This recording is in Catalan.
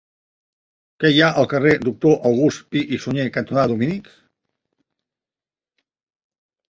Què hi ha al carrer Doctor August Pi i Sunyer cantonada Dominics?